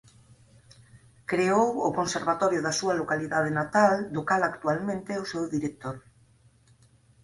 Creou o Conservatorio da súa localidade natal do cal actualmente é o seu director.